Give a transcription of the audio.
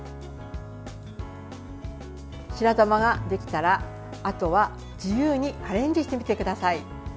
白玉ができたら、あとは自由にアレンジしてみてください。